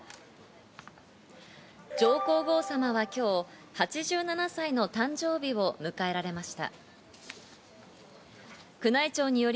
上皇后さまは今日、８７歳の誕生日を迎えられました。